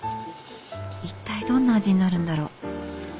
一体どんな味になるんだろう。